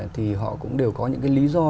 thì họ cũng đều có những cái lý do